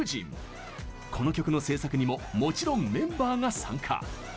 この曲の制作にももちろんメンバーが参加。